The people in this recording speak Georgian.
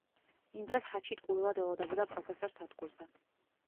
იმ დღეს ჰაჩი ტყუილად ელოდებოდა პროფესორს სადგურზე.